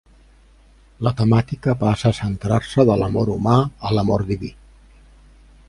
La temàtica passa a centrar-se de l'amor humà a l'amor diví.